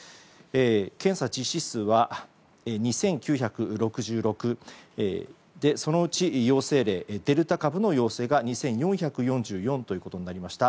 検査実施数は２９６６でそのうち、デルタ株の陽性が２４４４ということになりました。